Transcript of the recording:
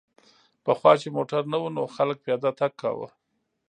پخوا چې موټر نه و نو خلک پیاده تګ کاوه